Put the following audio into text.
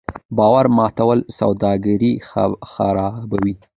باور ماتول سوداګري خرابوي.